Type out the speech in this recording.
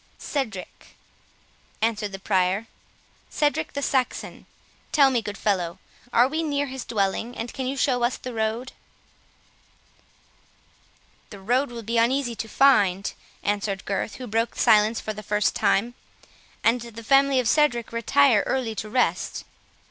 "Cedric," answered the Prior; "Cedric the Saxon.—Tell me, good fellow, are we near his dwelling, and can you show us the road?" "The road will be uneasy to find," answered Gurth, who broke silence for the first time, "and the family of Cedric retire early to rest."